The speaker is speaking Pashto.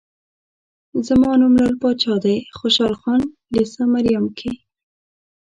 زما نوم لعل پاچا دی، خوشحال خان لېسه کې یم.